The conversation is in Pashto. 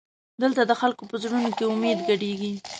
دلته د خلکو په زړونو کې امید ګډېږي.